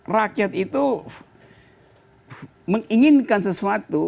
rakyat itu menginginkan sesuatu